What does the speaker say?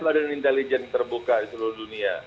mana ada bin terbuka di seluruh dunia